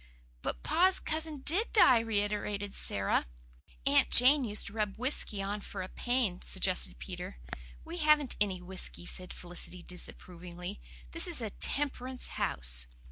"But Pa's cousin DID die," reiterated Sara. "My Aunt Jane used to rub whisky on for a pain," suggested Peter. "We haven't any whisky," said Felicity disapprovingly. "This is a temperance house."